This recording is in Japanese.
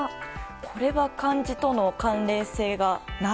これは、漢字との関連性がない。